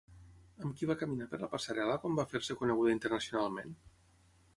Amb qui va caminar per la passarel·la quan va fer-se coneguda internacionalment?